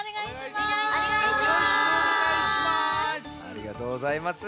ありがとうございます。